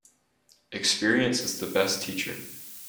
Experience is the best teacher.